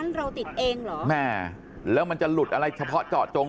กล้องนั้นเราติดเองเหรอแล้วมันจะหลุดอะไรเฉพาะเจาะตรง